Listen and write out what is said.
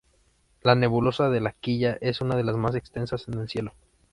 La nebulosa de la Quilla es una de las más extensas en el cielo.